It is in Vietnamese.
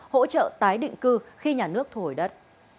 hỗ trợ tái định cư khi nhà nước thu hồi đất